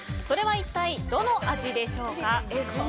それは一体どの味でしょうか。